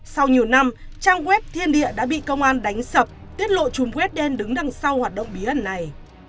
sau nhiều năm trang web thiên địa đã bị công an đánh sập tiết lộ chùm quét đen đứng đằng sau hoạt động bí ẩn này